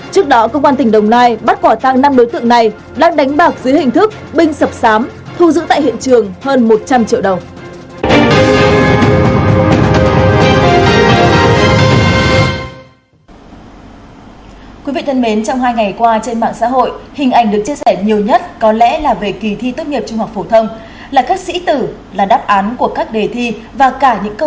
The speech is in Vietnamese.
trước đó công an tỉnh đồng nai bắt quả tăng năm đối tượng này đang đánh bạc dưới hình thức binh sập sám thu giữ tại hiện trường hơn một trăm linh triệu đồng